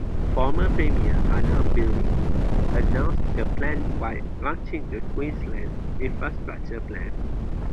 Former Premier Anna Bligh announced the plans while launching the Queensland Infrastructure Plan.